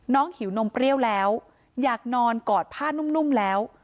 หิวนมเปรี้ยวแล้วอยากนอนกอดผ้านุ่มแล้ว